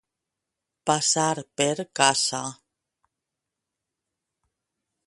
Passar per casa.